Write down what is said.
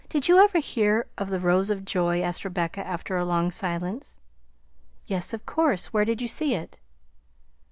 "Did you ever hear of The Rose of Joy?" asked Rebecca, after a long silence. "Yes, of course; where did you see it?"